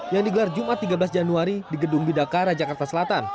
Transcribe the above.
yang digelar jumat tiga belas januari di gedung bidakara jakarta selatan